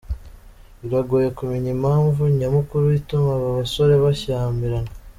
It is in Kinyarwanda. Biragoye kumenya impamvu nyamukuru ituma aba basore bashyamirana.